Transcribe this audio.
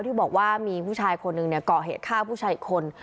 ที่บอกว่ามีผู้ชายคนหนึ่งก่อเหตุฆ่าผู้ชายอีกคน